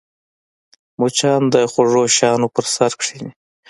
مچان د خوږو شیانو پر سر کښېني